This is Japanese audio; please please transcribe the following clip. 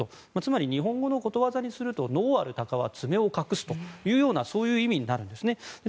日本語のことわざでいうと能ある鷹は爪を隠すというようなそういう意味になるんです。